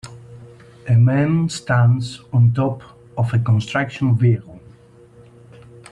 A man stands on top of a construction vehicle.